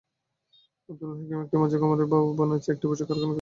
আবদুল হেকিম একটি মাছের খামারে ও বানেছা একটি পোশাক কারখানায় কাজ করেন।